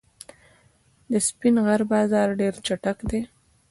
د سپین غر بازان ډېر چټک دي.